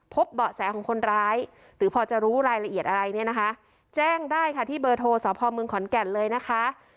เบาะแสของคนร้ายหรือพอจะรู้รายละเอียดอะไรเนี่ยนะคะแจ้งได้ค่ะที่เบอร์โทรสพเมืองขอนแก่นเลยนะคะ